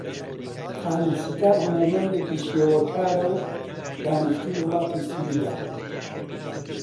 خالید ستار هونەرمەندێکی شێوەکارە و دانیشتووی وڵاتی سویدە.